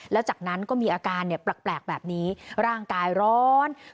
แล้วจากนั้นก็มีอาการแปลกแบบนี้ร่างกายร้อน